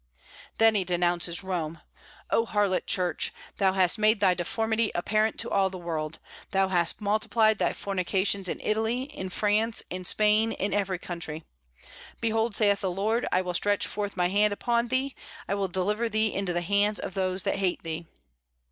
Then he denounces Rome: "O harlot Church! thou hast made thy deformity apparent to all the world; thou hast multiplied thy fornications in Italy, in France, in Spain, in every country. Behold, saith the Lord, I will stretch forth my hand upon thee; I will deliver thee into the hands of those that hate thee."